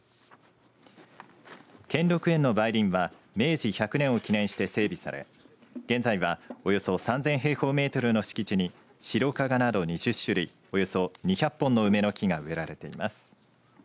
兼六園の梅林は明治１００年を記念して整備され現在は、およそ３０００平方メートルの敷地に白加賀など２０種類およそ２００本の梅の木が植えられています。